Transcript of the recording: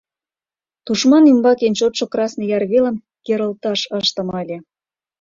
Тушман ӱмбак эн чотшо Красный Яр велым керылташ ыштыме ыле.